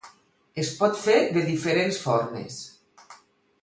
Es pot fer de diferents formes.